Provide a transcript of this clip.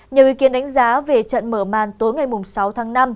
nhiều ý kiến đánh giá về trận mở màn tối ngày sáu tháng năm